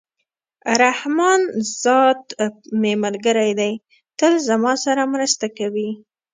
رحمان ذات مي ملګری دئ! تل زما سره مرسته کوي.